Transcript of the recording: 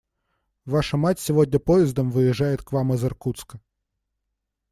Ваша мать сегодня поездом выезжает к вам из Иркутска.